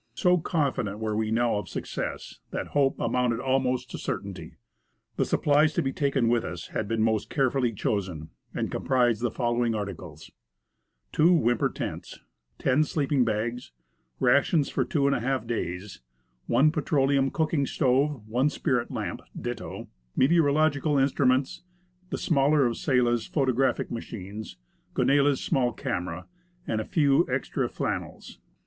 So ^\ confident were we now of success that hope amounted almost to certainty. The supplies to be taken with us had been \ most carefully chosen, and comprised the following articles :— Two Whymper tents, ten sleeping bags, rations for two and a half days, one petroleum cooking stove, one spirit lamp ditto, meteorological instruments, the smaller of Sella's photographic machines, Gonella's small camera, and a few extra flannels.